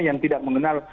yang tidak mengenal